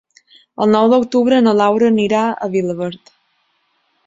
El nou d'octubre na Laura anirà a Vilaverd.